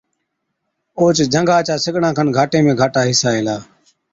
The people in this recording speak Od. اوهچ جھنگا چا سِگڙان کن گھاٽي ۾ گھاٽا حِصا هِلا،